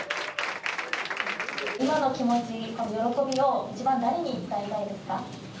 今の気持ち、喜びを一番誰に伝えたいですか？